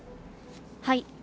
はい。